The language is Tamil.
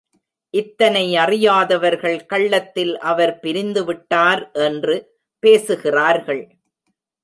இத்னை அறியாதவர்கள் கள்ளத்தில் அவர் பிரிந்துவிட்டார் என்று பேசுகிறார்கள்.